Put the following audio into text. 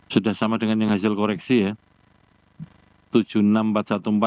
sudah sama dengan yang hasil koreksi ya